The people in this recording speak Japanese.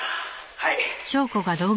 「はい」